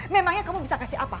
memangnya kamu bisa kasih apa